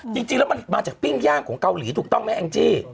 จริงแล้วมันมาจากปิ้งย่างของเกาหลีถูกต้องไหมแองจี้